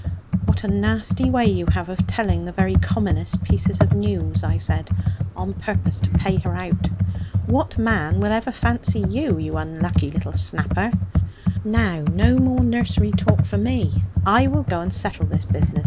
'What a nasty way you have of telling the very commonest piece of news!' I said, on purpose to pay her out. 'What man will ever fancy you, you unlucky little snapper? Now, no more nursery talk for me. I will go and settle this business.